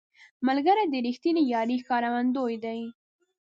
ملګری د رښتینې یارۍ ښکارندوی دی